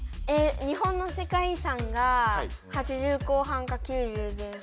日本の世界遺産が８０後半か９０前半。